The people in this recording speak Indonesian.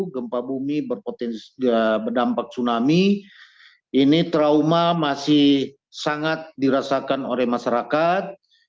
gempa bumi berpotensi berdampak tsunami ini trauma masih sangat dirasakan oleh masyarakat